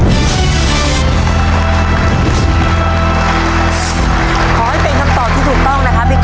ขอให้เป็นคำตอบที่ถูกต้องนะครับพี่ก๊